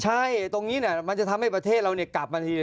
ใช่ตรงนี้มันจะทำให้ประเทศเรากลับมาที